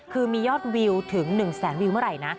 คือมียอดวิวถึง๑แสนวิวเมื่อไหร่นะ